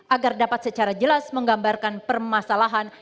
agar dapat secara jelas menggambarkan permasalahan